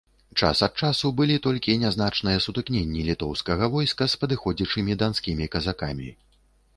Час ад часу былі толькі нязначныя сутыкненні літоўскага войска з падыходзячымі данскімі казакамі.